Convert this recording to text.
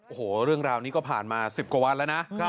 โอ้โหเรื่องราวนี้ก็ผ่านมา๑๐กว่าวันแล้วนะ